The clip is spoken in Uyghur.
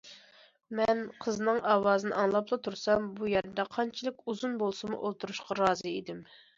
مەن قىزنىڭ ئاۋازىنى ئاڭلاپلا تۇرسام، بۇ يەردە قانچىلىك ئۇزۇن بولسىمۇ ئولتۇرۇشقا رازى ئىدىم.